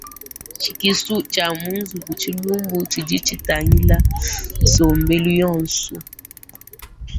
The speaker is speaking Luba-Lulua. Tshikisu tshia mu nzubu ntshilumbu tshidi tshitangila nsombelu yonso.